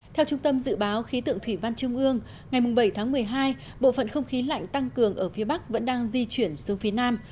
theo trung tâm dự báo khí tượng thủy văn trung ương ngày bảy tháng một mươi hai bộ phận không khí lạnh tăng cường ở phía bắc vẫn đang di chuyển xuống phía nam